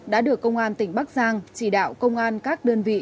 đã được công an tỉnh bắc giang chỉ đạo công an các đơn vị